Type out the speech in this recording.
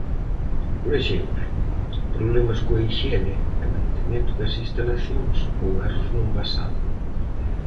Por exemplo, problemas coa hixiene e mantemento das instalacións ou erros no envasado.